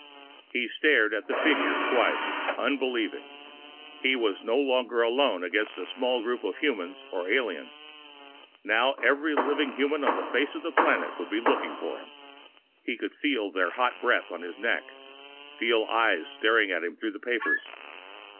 He stared at the figure twice, unbelieving. He was no longer alone against a small group of humans or aliens. Now every living human on the face of the planet would be looking for him! He could feel their hot breath on his neck, feel eyes staring at him through the papers.